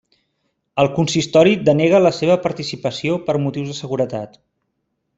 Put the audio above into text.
El consistori denega la seva participació per motius de seguretat.